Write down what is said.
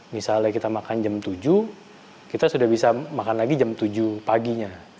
misalnya kita makan jam tujuh kita sudah bisa makan lagi jam tujuh paginya